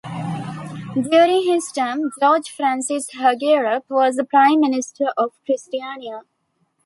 During his term, George Francis Hagerup was Prime Minister in Christiania.